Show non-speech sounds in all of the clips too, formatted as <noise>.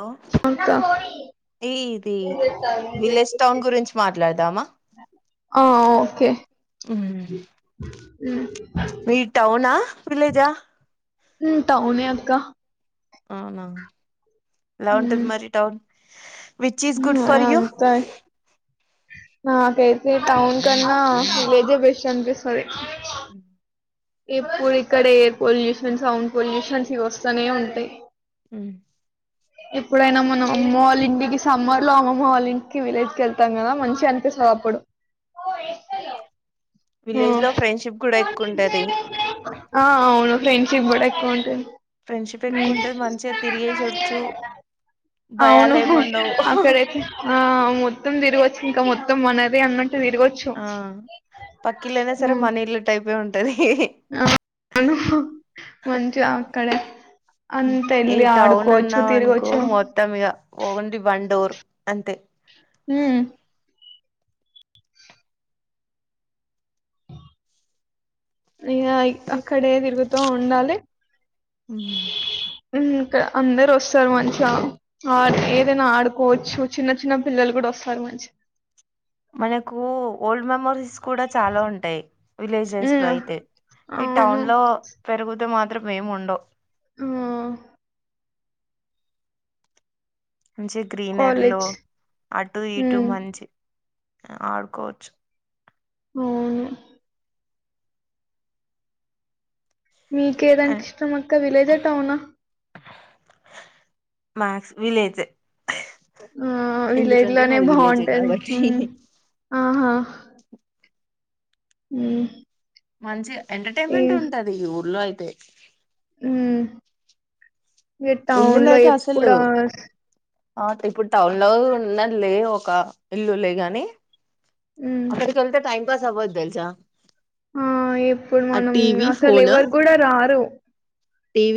లో అక ఈ ఇది విలేజ్ టౌన్ గురించి మాట్లాడదామ ఆ ఒకే మీ టౌన విలేజా టౌనే అక్క అవునా ఎలా ఉంటది మరి town which is good for you <unintelligible> నా కైతే టౌన్ కన్నా విలేజే బెస్ట్ అనిపిస్తుంది ఉ ఇప్పుడు ఇక్కడ ఎయిర్ పొల్యూషన్ సౌండ్ పొల్యూషన్స్ ఇవి వస్తూనే ఉంటాయి ఆ ఎప్పుడైనా మన అమ్మ వాళ్ళ ఇంటికి సమ్మర్ లో అమ్మమ్మ వాళ్ళ ఇంటికి విలేజ్ క వెళ్తం కదా మంచిగా అంత సో అప్పుడు విలేజ్ లో ఫ్రెండ్షిప్ కూడా ఎక్కువ ఉంటది ఆ అవును ఫ్రెడ్షిప్ కూడ ఎక్కువుంటది ఫ్రెండ్షిప్ ఎక్కుఉంటది మంచిగా తిరిగేసొచ్చు భయాలు అవును ఏమి ఉండవు ఆక్కడేతే <unintelligible> మొత్తం తిరగొచ్చు ఇంకా మొత్తం మనది అన్నట్టు తిరగొచ్చు పక్కిలయినా సరే ఉమ్, మనీ ఇల్లు టైపే ఉంటది మంచి అక్కడ అంత ఈ వెళ్ళి టౌన్ ఆడుకోవచ్చు అన్నా అనుకో తిరగచ్చు మొత్తం ఇగ <unintelligible> <unintelligible> అంతే హు అ అక్కడే తిరుగుత ఉండాలి ఉమ్ ఇంకా అందరు వస్తారు మంచిగా ఆ ఏదైనా ఆడుకోవచ్చు చిన్న చిన్న పిల్లలు కూడ వాస్తర్ మం మనకు ఒ మెమోరీస్ కూడా చాలా ఉంటాయి విలేజెస్ లో ఉమ్ అయితే ఈ అవును టౌన్ లో పెరుగుతే మాత్రం ఏం ఉండవు హు మంచి గ్రీనరీ లో కాలేజ్ అటు ఇటు ఉమ్ మంచి ఆడుకోచు అవును మీకేదంటే ఇష్టం అక్క విలేజా టౌనా మక్స్ విలేజె ఆ విలేజ్ లోనే విలేజే బాగుంటది కాబట్టి ఆహా హు మంచి ఎంటర్టైన్మెంట్ ఉంటది ఈ ఊర్లో అయితే ఏ టౌన్ ఇందులో లో అయితే ఎప్పుడ అసలు ఆ ఇప్పుడు టౌన్ లో ఉన్నలే ఒక ఇల్లు లే గాని ఉమ్ అక్కడీకి వెళ్తే టైమ్పాస్ అవ్వదు తెలుసా ఆ ఇప్పుడు ఆ మనం టీవీ అసలు ఫోన్ ఎవరు కూడా రారు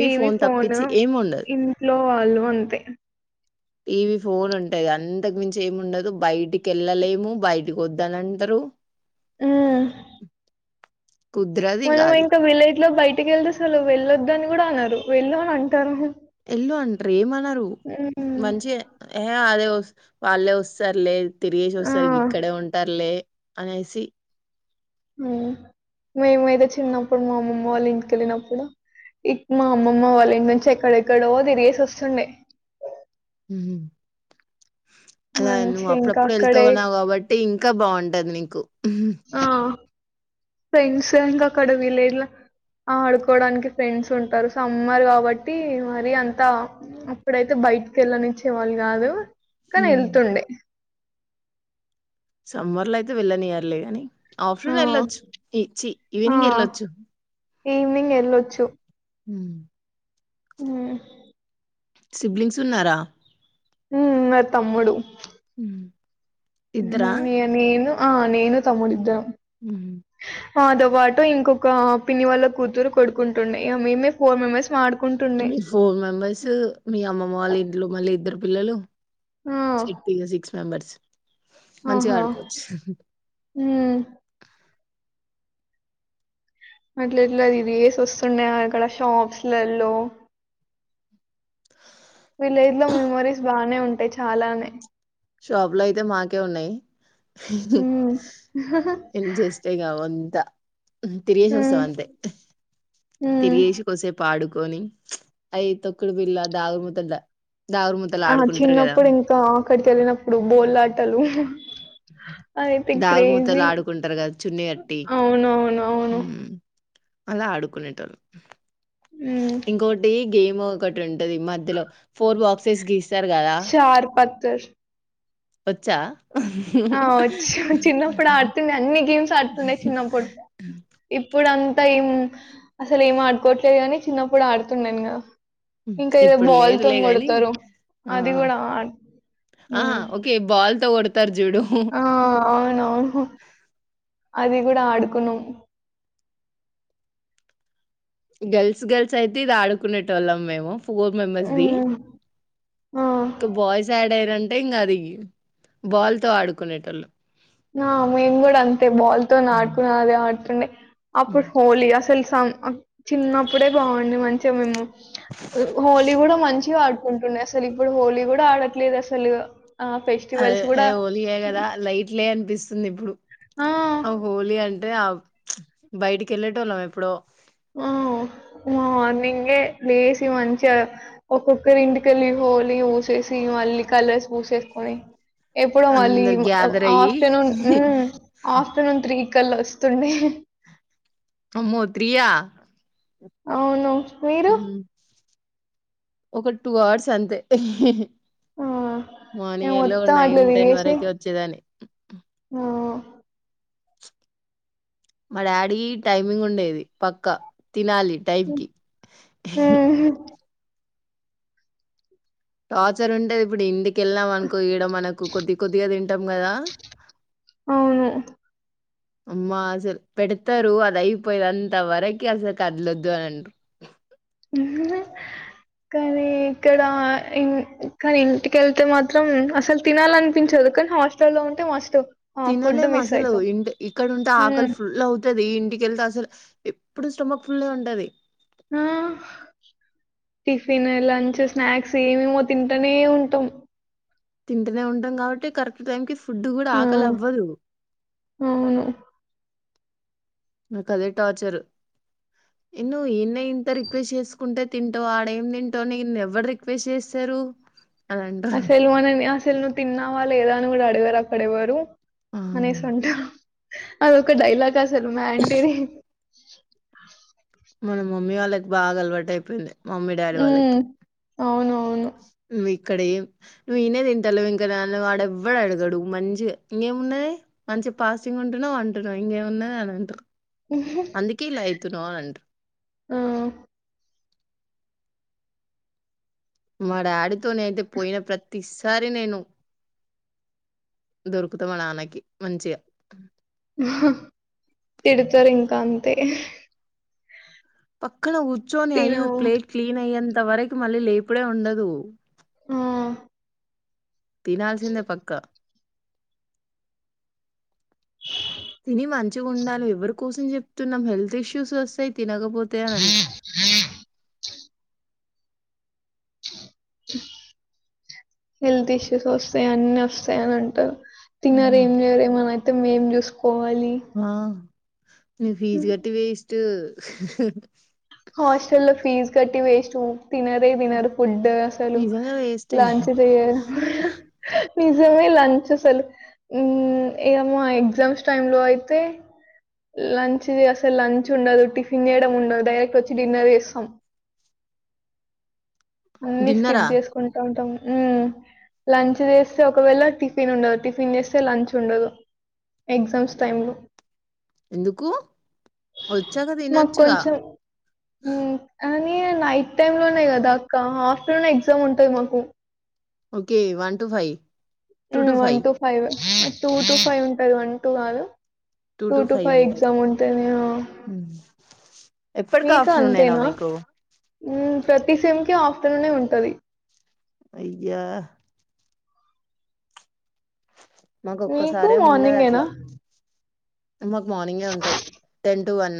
టీవీ ఫోన్ ఫోను తప్పించి ఏమి ఉండదు ఇంట్లో వాళ్ళు అంతే టీవీ ఫోన్ ఉంటాది అంతకు మించి ఏమి ఉండదు బయటికి వెళ్ళలేము బయటికి వద్దు దనంతరూ ఉమ్ కుదరదు ఇగ మనం అది ఇంకా విలేజ్ లో బయటకి వెళ్తే అసలు వెళ్ళొదు అని కూడా అన్నారు వెళ్ళు అని అంటారు ఎల్లు అంటారు ఏమన్నారు ఉమ్ మంచి అదే వాళ్ళే వస్తారులే తిరిగేసి వస్తారు ఆ ఇక్కడే ఉంటారులే అనేసి మేముతే చిన్నప్పుడు మా అమ్మమ్మ వాళ్ళు ఇంటికెళ్ళినప్పుడు మా అమ్మమ్మ వాళ్ళ ఇంటి నుంచి ఎక్కడెక్కడో తిరిగేసి వస్తుండే అలా నువ్వు మంచిగా ఇంకా అప్పుడప్పుడు వెళ్త అక్కడే ఉన్నావు కాబట్టి ఇంకా ఇంకా బాగుంటది నీకు ఆ ఫ్రెండ్స్ంకా అక్కడ విలేజ్ లో ఆ ఆడుకోవడానికి ఫ్రెండ్స్ ఉంటారు సమ్మర్ కాబట్టి మరీ అంతా అప్పుడైతే బయటికి వెళ్ళనిచ్చే వాళ్ళు కాదు కానీ వెళ్తుండే సమ్మర్ లో అయితే వెళ్ళనియర్లే కానీ ఆ! ఆఫ్రూన్ వెళ్ళొచ్చు ఇచ్చి ఆ! ఈవినింగ్ వెళ్ళొచ్చు ఈవినింగ్ వెళ్ళొచ్చు హ హ సిబ్లింగ్స్ ఉన్నారా ఉ మ తమ్ముడు హ నేను ఆ నేను తమ్ముడు ఇద్దరం హ తో పాటు ఇంకొక పిన్ని వాళ్ళ కూతురు కొడుకుంటుండ మేమే ఫోర్ మెంబెర్స్ ఆడుకుంటుండే మీ ఫోర్ మెంబర్స్ మీ అమ్మమ్మ వాళ్ళ ఇంట్లో మళ్ళీ ఇద్దరు పిల్లలు ఆ సిటీ సిక్స్ మెంబర్స్ మంచిగా ఆహా ఆడుకోవచ్చు. అట్ల ఇట్లా అది ఇది తిరిగేసి వస్తుండా ఇక్కడ షాప్స్లలో విలేజ్ లో మెమోరీస్ బాగానే ఉంటాయి చాలానే షాప్ లో అయితే మాకే ఉన్నాయి ఉమ్ ఇం చేస్తే కావుంది తిరిగేసి వాస్తవ ఉమ్ అంతే ఉమ్ తిరగేసి కొన్సేపు ఆడ ఆడుకొని అయి తొక్కుడు బిళ్ళ దాగుడుమూతలు ఆ ఆడుకుంటారు కదా! చిన్నప్పుడు ఇంకా అక్కడికిళ్లినప్పుడు బోలాటలు అయితే దాగుడుమూతలు క్రేజీ ఆడుకుంటారు కదా! చున్నీ కట్టి అవునవును అవును హ్మ్. అలా ఆడుకునేట వాళ్ళు ఉమ్ ఇంకోటి గేమ్ ఒకటి ఉండి మధ్యలో ఫోర్ బాక్సెస్ గీసి చర్పట్టర్ వచ్చా ఆ వచ్చ చిన్నప్పుడు ఆడుతుంది అన్ని గేమ్స్ ఆడుతండా చిన్నప్పడు ఇప్పుడు అంతా ఏం అసలు ఏం ఆడుకోట్లేదు కాని చిన్నప్పుడు ఆడుతున్నానుగా హ్మ్. ఇంకా ఏదో ఇప్పుడు లేదులే బాల్తోన్ గాని కొడతారు ఆ అది కూడా ఆ ఓకే బాల్ తో కొడతారు చూడు ఆ! అవునవును. అది కూడా ఆడుకునాం గర్ల్స్ గర్ల్స్ అయితే ఇది ఆడుకునే తొలం మేము ఫోర్ మెంబర్స్ ది హ్మ్. ఆ! ఒక బాయ్స్ యాడ్ అయింటే అంటే ఇంకా అది బాల్ తో ఆడుకునేటోలాం ఆ మేము కూడా అంతే బాల్ తో హ్మ్. ఆడుకున్నా అదే ఆడుతుండే అప్పుడు హ్మ్. హోలీ అసలుస చిన్నప్పుడే బాగుంది మంచిగా మేము హోలీ కూడా మంచిగా ఆడుకుంటున్నా అసలు ఇప్పుడు హోలీ కూడా ఆడట్లేదు అసలు ఆ అది ఫెస్టివల్స్ ఏ గూడా హోలియే కదా లైట్లే అనిపిస్తు వస్తుంది ఇప్పుడు ఆ హోలీ అంటే ఆ బయటికి వెళ్ళేటోళ్ళం ఎప్పుడో ఆ మార్నింగే లేసి మంచి ఒక్కొక్కరి ఇంటికెళ్లి హోలి పూసి సి మళ్ళీ కలర్స్ పూసేసుకొని ఎప్పుడో మళ్ళీ అందరు గ్యాదర్ అయ్యి ఆఫ్టర్నూన్ హ్మ్ ఆఫ్టర్నూన్ త్రీ కల వస్తుండే అమ్మో త్రీయా అవును మీరు? హ్మ్ ఒక టూ అవర్స్ అంతే ఆ మేము మార్నింగ్ ఎల్లి మొత్తం అట్లా నైన్ టెన్ తిరిగేసి వరక వచ్చేదాన్ని ఆ మా డాడీ టైమింగ్ ఉండేది పక్కా తినాలి టైంకి ఉహు టార్చర్ ఉంటాది ఇప్పుడు ఇంటికెళ్ళాం అనుకో ఈడ మనకు కొద్ది కొద్దిగా తింటాం కదా అవును అమ్మా అసలు పెడతారు అది అయిపోయేది అంత వరకి అసలు కదలొద్దు అని అంటరు ఉహు. కానీ ఇక్కడ ఇం కానీ ఇంటికెళ్తే మాత్రం అసలు తినాలనిపించదు దుకని హాస్టల్ లో ఉంటే మాస్టు తినలేం అసలు ఇంట్ ఇక్కడుటే ఆకలి ఉమ్ ఫుల్ అవుతది ఇంటి కెళ్తే అసలు ఎప్పుడూ స్టొమక్ ఫుల్లగా ఉంటది ఆ టిఫిన్ లంచ్ స్నాక్స్ ఏమేమో తింటనే ఉంటాం తింటనే ఉంటాం కాబట్టి కరెక్ట్ టైం కి ఫుడ్డు కూడా ఆ ఆకలి అవ్వదు అవును నాకు అదే టార్చరు నువ్ ఈడనే ఇంత రిక్వెస్ట్ చేసుకుంటే తింటావు ఆడ ఏం తింటావు నీన్ను ఎవ్వరు రిక్వెస్ట్ చేస్తా రూ అసలు మనని అసలు నువ్వు తిన్నావా లేదా అని కూడా అడగరు అక్కడెవ్వరూ ఆ! అనేసి ఉంటాారు అదొక డైలాగ్ అసలు మ్యాంటరీ మన మమ్మీ వాళ్ళకి బాగా అలవాటు అయిపోయింది మమ్మీ డాడీ వాళ్ళకి అవును <unintelligible> క్కడేం నువ్వు ఈనే తింటలేవు ఇంక <inaudible> వాడెవ్వడూ అడగడు మంచి ఇంకేం ఉన్నది అన్ వచ్చి పాస్టింగ్ ఉంటున్నవ్ అంటున్నవ్ ఇంకేం ఉన్నయ్ అని అంటవ్ అందుకే ఇలా అయితునవా నంట ఆ! మా డాడీ తోనే అయితే పోయిన ప్రతి సారి నేను దొరుకుతా మా నాన్నకి మంచిగా తిడతారు ఇంకా అంతే పక్కన కూర్చొని అయి తినవు ప్లేట్ క్లీన్ అయ్యేంత వరకు మళ్ళీ లేపుడే ఉండదు ఆ తినాల్సిందే పక్కా తిని మంచిగా ఉండాలి ఎవరి కోసం చెప్తున్నాం హెల్త్ ఇష్యూస్ వస్తాయి తినకపోతే అని అనరు హెల్త్ ఇష్యూస్ వస్తాయి అన్ని వస్తాయి అని అంటారు తిన్నరు హ్మ్. ఏం చేయరు ఏమన అయితే మేం చూసుకోవాలి మీ ఫీజ్ కట్టి వేస్ట్ హాస్టల్ లో ఫీజ్ కట్టి వేస్ట్ ఉ తినరే తినరు ఫుడ్ అసలు నిజంగా వేస్టే లాంచ్ చేయ్యార్ నిజమే లంచ్ అసలు హ్మ్ ఏమో ఎగ్జామ్స్ టైం లో అయితే లంచ్ అసలు లంచ్ ఉండదు టిఫిన్ చేయడం ఉండదు డైరెక్ట్ వచ్చి డిన్నర్ చేస్తాం అన్నీ తిన్నరా స్కిప్ చేసుకుంటా ఉంటాం హ్మ్ లంచ్ చేస్తే ఒకవేళ టిఫిన్ ఉండదు టిఫిన్ చేస్తే లంచ్ ఉండదు ఎగ్జామ్స్ టైం లో ఎందుకు వచ్చాక నాక్ తినొచ్చుగా కొంచం హ్మ్ అని ఈ నైట్ టైమ్ లోనేయి కదా అక్క ఆఫ్టర్నూన్ ఎగ్జామ్ ఉంటాంది మాకు okay one two five to one two five two two five ఉంటది వన్ టూ కాదు టూ టు ఫైవ్ ఎగ్జామ్ ఉంటానే ఎప్పటికి మీకు ఆఫ్టర్నూన్ నేనా అంతేనా మీకు హ్మ్ ప్రతి సేమ్కి ఆఫ్టర్నూనే ఉంటది అయ్యా మాకు మీకు ఒక్కసారేమి ఉన్నది మార్నింగేనా? అట్లా మాకు మార్నింగే ఉంటది టెన్ టు వన్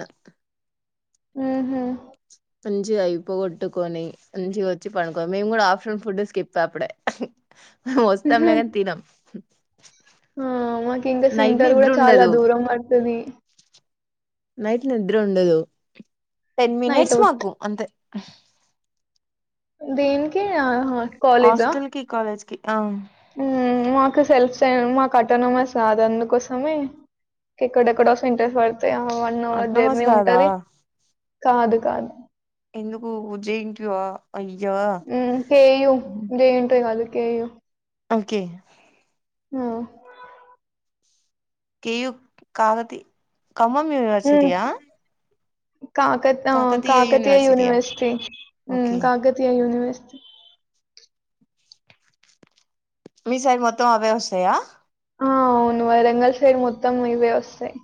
ఆ హ మంచిగా అయిపోగొట్టుకొని మంచి వచ్చి పనుకో మేము కూడా ఆఫ్టేర్నూన్ ఫుడ్ స్కిప్ అప్పుడే వస్తాం లేగాని తినం ఆ మాకి ఇంకా నైట్ సెంటర్ కూడా నిద్ర చాలా ఉండదు దూరం పడ్తది నైట్ నిద్ర ఉండదు టెన్ నైట్ మినిట్స్ అవుట్. మాకు అంతే దేనికి ఆ హ హస్టల్ కి కాలేజ్ కి ఆ ఆ మాకు సెల్ఫ్ సైన్ మాకు అటోనమస్ కాదు అందుకోసమే ఎక్కడెకడో సెంటర్ పడ్ తయ వన్ అవర్ అట్నమాస్ జర్నీ కాదా ఉంటది కాదు కాదు ఎందుకు జేఎన్‌టీయూ ఆ అయ్యా హ్మ్ హెయుూ జేఎన్‌టీయూ కాలేజ్ కేయు ఓకే ఆ కెయూ కఖతి ఖమ్మం హ్మ్. యూనివర్సిటీయా కాకత్ ఆ కాకతీయ యూనివర్సిటీ హ్మ్ ఓకే కాకతీయ యూనివర్సి మీ సైడ్ అవే వస్తాయా ఆ అవును వరంగల్ సైడ్ మొత్తం ఇవే వస్తాయ్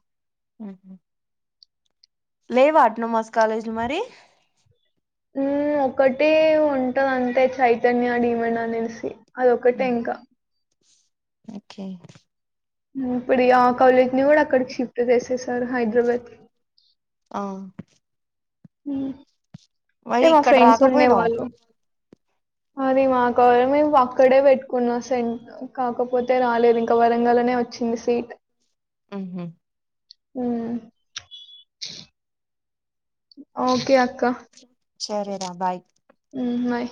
ఆ లేవా అట్లమాస్ కాలేజ్ లు మరి హ్మ్ ఒకటి ఉంట అంతే చైతన్య డీమండ్ అనేసి అదొకటే ఇంకా ఓకే ఇప్పుడు ఆ కాలేజ్ ని కూడా అక్కడికి షిఫ్ట్ చేసే సారు హైదరాబాద్కి ఆ హ్మ్ మరి అంటే మా ఇక్కడ ఫ్రెండ్ ఉండే రాకపోయినావ్ వాళ్ళు అది మాకు <unintelligible> మేము అక్కడే పెట్టుకున్నా సెన్ కాకపోతే రాలేదు ఇంకా వరంగల్ లో నే వచ్చింది సీట్ హ్మ్ హు అ ఓకే అక్క సరే రా బాయ్ ఉమ్ బాయ్